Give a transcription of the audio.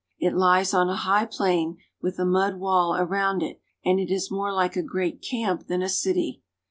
It lies on a high plain with a mud wall around it, and it is more like a great camp than a city.